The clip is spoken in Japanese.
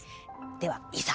ではいざ。